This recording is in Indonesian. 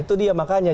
itu dia makanya